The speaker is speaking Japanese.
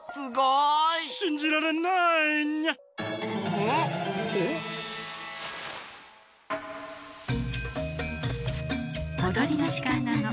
おどりのじかんなの。